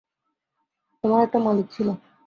তোমার একটা মালিক ছিল।